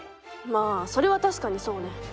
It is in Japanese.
まあそれはたしかにそうね。